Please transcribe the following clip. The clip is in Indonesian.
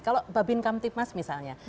kalau babi kamtipmas misalnya